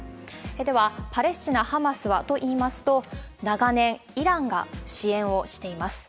では、パレスチナ、ハマスはといいますと、長年、イランが支援をしています。